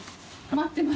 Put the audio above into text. ・待ってる。